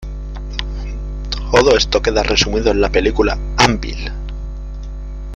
Todo esto queda resumido en la película "Anvil!